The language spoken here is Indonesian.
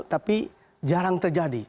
tapi jarang terjadi